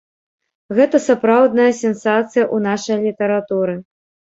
Гэта сапраўдная сенсацыя ў нашай літаратуры.